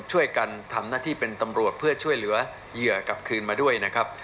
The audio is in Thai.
ช่วยกันทำหน้าที่เป็นตำรวจเพื่อช่วยเหลือเหยื่อกลับคืนมาด้วยนะครับ